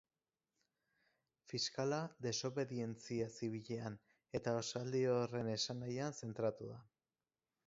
Fiskala desobedientzia zibilean eta esaldi horren esanahian zentratu da.